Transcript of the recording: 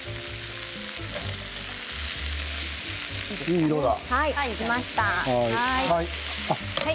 いい色だ。